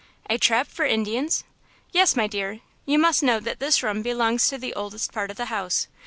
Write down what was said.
"A trap for Indians?" "Yes, my dear. You must know that this room belongs to the oldest part of the house.